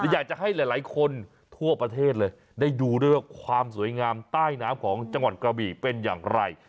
อยากจะให้หลายคนทั่วประเทศเลยได้ดูด้วยว่าความสวยงามใต้น้ำของจังหวัดกระบี่เป็นอย่างไร